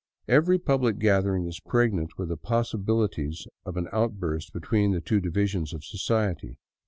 Every public gather ing is pregnant with possibilities of an outburst between the two divisions of society.